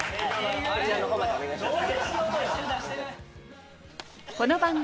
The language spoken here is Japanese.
こちらの方までお願いします。